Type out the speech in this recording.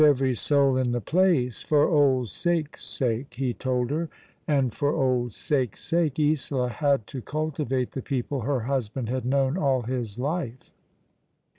51 every soul in the place, for old sake's sake/' ho told her; and for old sake's sake Isola had to cultivate the people her husband had known all his life.